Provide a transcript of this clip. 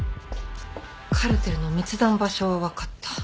カルテルの密談場所は分かった。